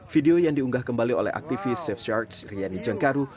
video yang diunggah kembali oleh aktivis safe charge riani jangkaru